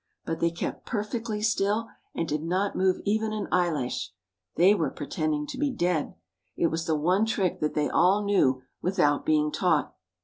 But they kept perfectly still and did not move even an eyelash. They were pretending to be dead. It was the one trick that they all knew without being taught.